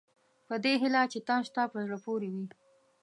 په دې هیله چې تاسوته په زړه پورې وي.